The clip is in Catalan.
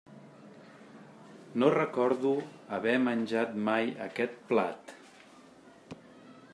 No recordo haver menjat mai aquest plat.